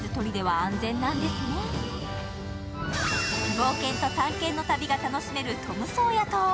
冒険と探検の旅が楽しめるトムソーヤ島。